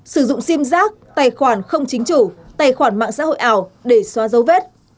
sử dụng sim giác tài khoản không chính chủ tài khoản mạng xã hội ảo để xóa dấu vết